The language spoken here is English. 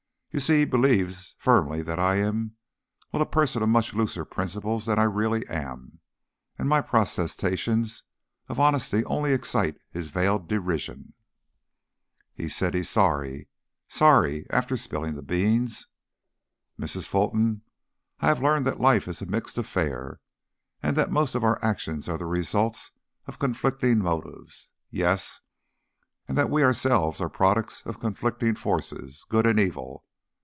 You see, he believes firmly that I am a well, a person of much looser principles than I really am, and my protestations of honesty only excite his veiled derision." "He says he's sorry. Sorry! After spilling the beans." "Mrs. Fulton, I have learned that life is a mixed affair, and that most of our actions are the results of conflicting motives. Yes, and that we ourselves are products of conflicting forces, good and evil.